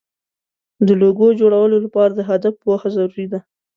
د لوګو جوړولو لپاره د هدف پوهه ضروري ده.